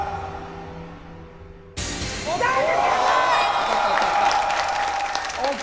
当たった当たった。ＯＫ。